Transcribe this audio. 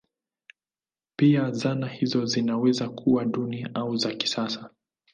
Pia zana hizo zinaweza kuwa duni au za kisasa.